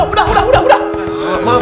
udah udah udah